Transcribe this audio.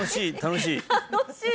楽しい？